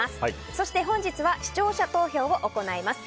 そして、本日は視聴者投票を行います。